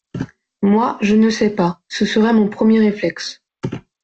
Moi, je ne sais pas, ce serait mon premier réflexe.